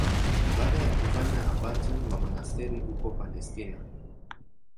Baada ya kufanywa abati wa monasteri huko Palestina.